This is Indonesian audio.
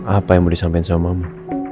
apa yang mau disampaikan sama mamu